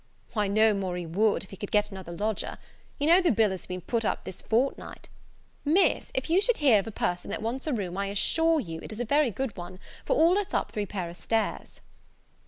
"Why, no more he would, if he could get another lodger. You know the bill has been put up this fortnight. Miss, if you should hear of a person that wants a room, I assure you it is a very good one, for all it's up three pair of stairs."